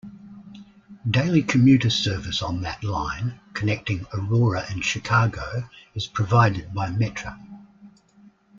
Daily commuter service on that line, connecting Aurora and Chicago, is provided by Metra.